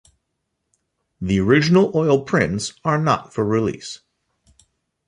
The original oil prints are not for release.